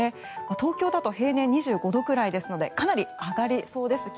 東京だと平年２５度くらいですのでかなり気温が上がりそうです。